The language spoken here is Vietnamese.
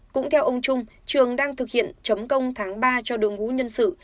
cũng theo ông trung trường đang thực hiện chấm công tháng ba cho đội ngũ nhân sự